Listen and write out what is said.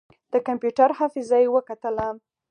د کمپيوټر حافظه يې وکتله.